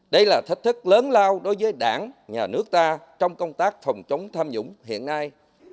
đây là thách thức lớn lao đối với đảng nhà nước ta trong công tác phòng chống tham nhũng hiện nay